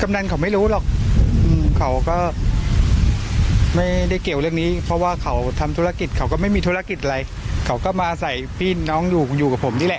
นั้นเขาไม่รู้หรอกเขาก็ไม่ได้เกี่ยวเรื่องนี้เพราะว่าเขาทำธุรกิจเขาก็ไม่มีธุรกิจอะไรเขาก็มาใส่พี่น้องอยู่อยู่กับผมนี่แหละ